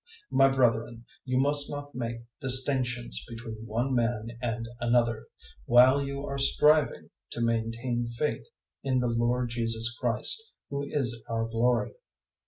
002:001 My brethren, you must not make distinctions between one man and another while you are striving to maintain faith in the Lord Jesus Christ, who is our glory.